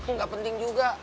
nggak penting juga